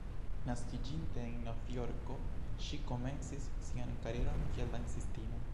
Naskiĝinte en Novjorko, ŝi komencis sian karieron kiel dancistino.